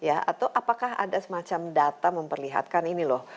atau apakah ada semacam data memperlihatkan ini loh